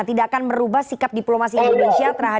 tidak akan merubah sikap diplomasi indonesia